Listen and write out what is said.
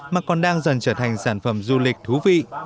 mà còn đang dần trở thành sản phẩm du lịch thú vị